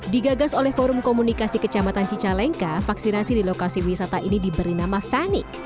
digagas oleh forum komunikasi kecamatan cicalengka vaksinasi di lokasi wisata ini diberi nama fanic